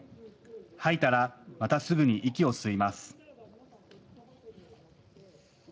吐いたらまたすぐに息を吸います。